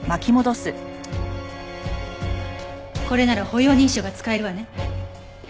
これなら歩容認証が使えるわね。